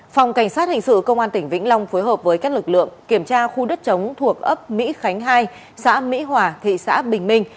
phòng cảnh sát hình sự công an tỉnh vĩnh long phối hợp với các lực lượng kiểm tra khu đất chống thuộc ấp mỹ khánh hai xã mỹ hòa thị xã bình minh